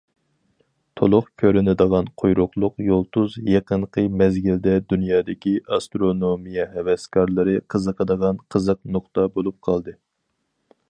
تولۇق كۆرۈنىدىغان قۇيرۇقلۇق يۇلتۇز يېقىنقى مەزگىلدە دۇنيادىكى ئاسترونومىيە ھەۋەسكارلىرى قىزىقىدىغان قىزىق نۇقتا بولۇپ قالدى.